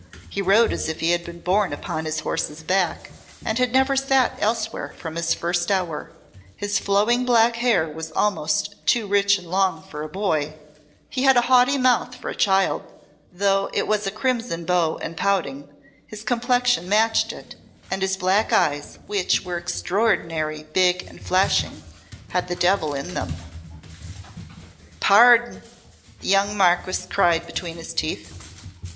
He rode as if he had been born upon his horse's back and had never sat elsewhere from his first hour, his flowing black hair was almost too rich and long for a boy, he had a haughty mouth for a child, though it was a crimson bow and pouting, his complexion matched it, and his black eyes, which were extraordinary big and flashing, had the devil in them. "Pardi!" the young Marquess cried between his teeth.